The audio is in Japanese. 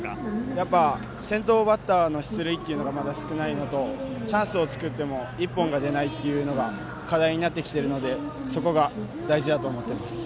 やっぱ先頭バッターの出塁というのがまだ少ないのとチャンスを作っても１本が出ないというのが課題になってきているのでそこが大事だと思っています。